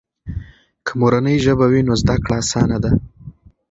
که مورنۍ ژبه وي، نو زده کړه آسانه ده.